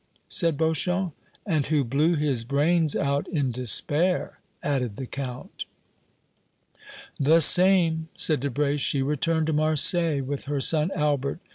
said Beauchamp. "And who blew his brains out in despair?" added the Count. "The same," said Debray. "She returned to Marseilles with her son Albert.